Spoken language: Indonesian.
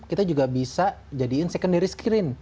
kita juga bisa jadiin secondary screen